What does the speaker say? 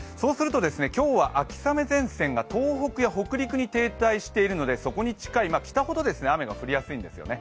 今日は秋雨前線が東北や北陸に停滞しているので、そこに近い北ほど雨が降りやすいんですよね。